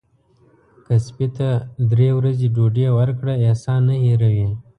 که سپي ته درې ورځې ډوډۍ ورکړه احسان نه هیروي.